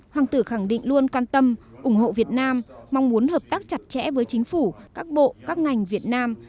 hoàng tử khẳng định luôn quan tâm ủng hộ việt nam mong muốn hợp tác chặt chẽ với chính phủ các bộ các ngành việt nam